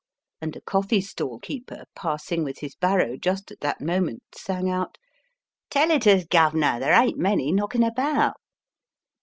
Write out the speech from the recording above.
" and a coffee stall keeper, pass ing with his barrow just at that moment, sang out :" Tell it us, guv nor. There ain t many knocking about."